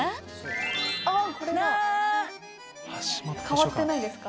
変わってないですか？